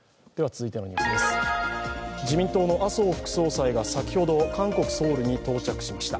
自民党の麻生副総裁が先ほど韓国・ソウルに到着しました。